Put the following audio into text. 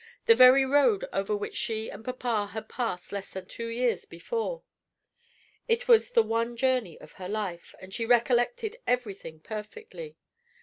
the very road over which she and papa had passed less than two years before. It was the one journey of her life, and she recollected every thing perfectly.